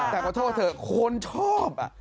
แต่ขอโทษเถอะคนชอบ